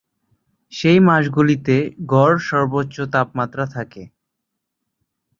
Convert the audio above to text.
সেই মাসগুলিতে গড় সর্বোচ্চ তাপমাত্রা থাকে।